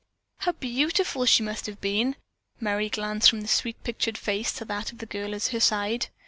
"How beautiful she must have been." Merry glanced from the sweet pictured face to that of the girl at her side.